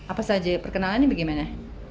apa saja perkenalan ini bagaimana